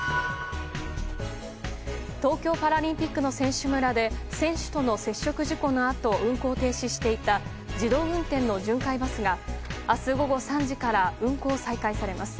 東京パラリンピックの選手村で選手との接触事故のあと運行を停止していた自動運転の巡回バスが明日午後３時から運行再開されます。